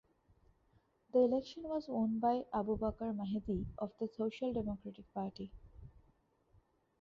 The election was won by Abubakar Mahdi of the Social Democratic Party.